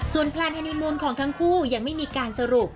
แพลนฮานีมูลของทั้งคู่ยังไม่มีการสรุป